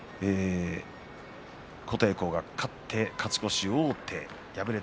琴恵光勝って勝ち越し王手です。